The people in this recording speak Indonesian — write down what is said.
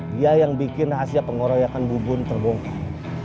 dia yang bikin rahasia pengoroyakan bubun terbongkar